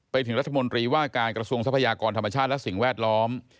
ไปถึงรัฐมนตรีว่าการกระทรวงทรัพยากรธรรมชาติและสิ่งแวดล้อม